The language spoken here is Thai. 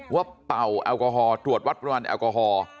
เป่าแอลกอฮอล์ตรวจวัดปริมาณแอลกอฮอล์